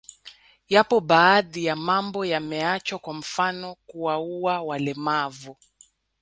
Yapo baadhi ya mambo yameachwa kwa mfano kuwaua walemavu